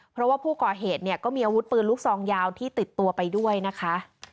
เพราะว่าผู้ก่อเหตุมีอาวุธปืนลูกหลุงส่องยาวที่ติดตัวไปด้วยนะคะ